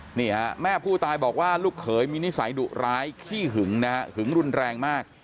นี่ฮะแม่ผู้ตายบอกว่าลูกเขยมีนิสัยดุร้ายขี้หึงนะฮะหึงรุนแรงมาก